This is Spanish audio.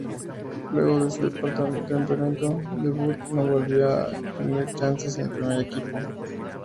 Luego de su tempranero debut, no volvió a tener chances en el primer equipo.